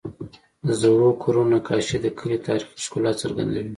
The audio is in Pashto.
د زړو کورونو نقاشې د کلي تاریخي ښکلا څرګندوي.